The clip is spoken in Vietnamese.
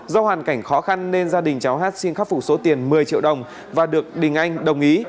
do hoàn cảnh khó khăn nên gia đình cháu hát xin khắc phục số tiền một mươi triệu đồng và được đình anh đồng ý